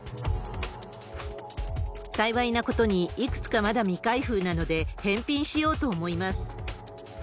幸いなことに、いくつかまだ未開封なので、返品しようと思います。